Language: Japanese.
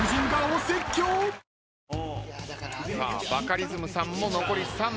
バカリズムさんも残り３枚。